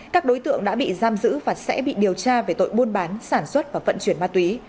các đối tượng đã bị giam giữ và sẽ bị điều tra về tội buôn bán sản xuất và vận chuyển ma túy